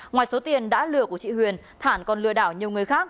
ngoài số tiền đã lừa của chị huyền thản còn lừa đảo nhiều người khác